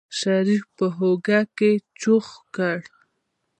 شريف په اوږه کې چوخ کړ.